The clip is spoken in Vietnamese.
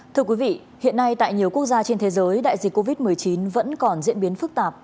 thưa quý vị hiện nay tại nhiều quốc gia trên thế giới đại dịch covid một mươi chín vẫn còn diễn biến phức tạp